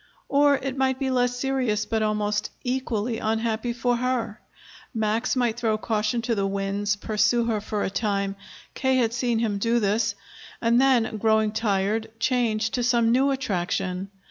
Or, it might be less serious but almost equally unhappy for her. Max might throw caution to the winds, pursue her for a time, K. had seen him do this, and then, growing tired, change to some new attraction.